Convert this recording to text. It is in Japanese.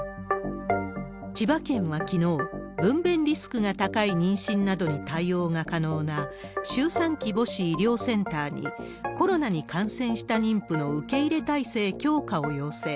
千葉県はきのう、分べんリスクが高い妊娠などに対応が可能な周産期母子医療センターにコロナに感染した妊婦の受け入れ態勢強化を要請。